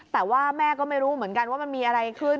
แต่ว่าแม่ก็ไม่รู้เหมือนกันว่ามันมีอะไรขึ้น